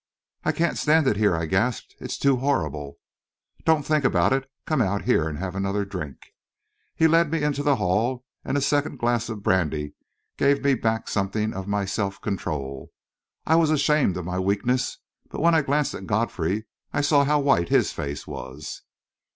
"I can't stand it here," I gasped. "It's too horrible!" "Don't think about it. Come out here and have another drink." He led me into the hall, and a second glass of brandy gave me back something of my self control. I was ashamed of my weakness, but when I glanced at Godfrey, I saw how white his face was.